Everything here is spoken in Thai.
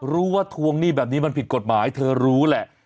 รู้ว่าทวงหนี้แบบนี้มันผิดกฎหมายเธอรู้แหละ